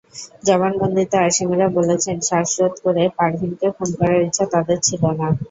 জবানবন্দিতে আসামিরা বলেছেন, শ্বাসরোধ করে পারভীনকে খুন করার ইচ্ছা তাঁদের ছিল না।